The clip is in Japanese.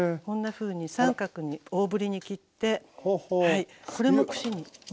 こんなふうに三角に大ぶりに切ってこれも串に。